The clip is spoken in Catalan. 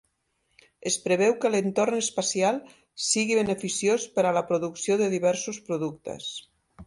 Es preveu que l'entorn espacial sigui beneficiós per a la producció de diversos productes.